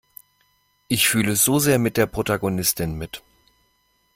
Ich fühle so sehr mit der Protagonistin mit.